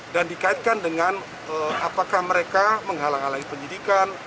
dan dikaitkan dengan apakah mereka menghalang halangi penyitikan